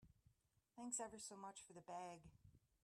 Thanks ever so much for the bag.